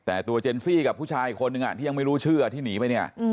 แต่ตัวเจนซี่กับผู้ชายอีกคนนึงที่ยังไม่รู้ชื่อที่หนีไปเนี่ย